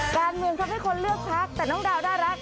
การเมืองชอบให้คนเลือกทักแต่น้องดาวน่ารัก